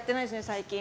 最近。